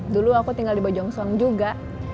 dulu aku tinggal di bojongsong juga